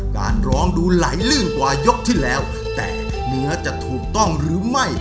การร้องดูไหลลื่นกว่ายกที่แล้วแต่เนื้อจะถูกต้องหรือไม่